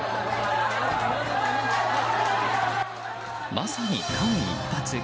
まさに間一髪。